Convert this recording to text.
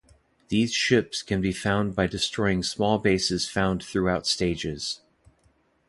These ships can be found by destroying small bases found throughout stages.